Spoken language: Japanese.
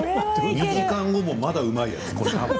２時間後もまだうまい。